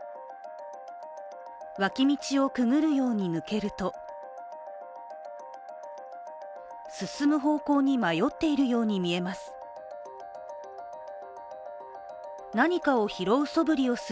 脇道をくぐるように抜けると進む方向に迷っているように見えます。